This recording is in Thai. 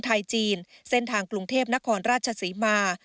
จีนเส้นทางกรุงเทพนครราชศรีมา